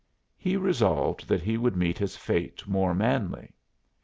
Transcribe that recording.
He resolved that he would meet his fate more manly.